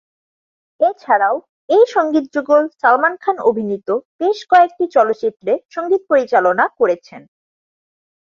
এছাড়াও এই সঙ্গীত যুগল সালমান খান অভিনীত বেশ কয়েকটি চলচ্চিত্রে সঙ্গীত পরিচালনা করেছেন।